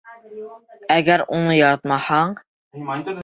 Әгәр уны яратмаһаң...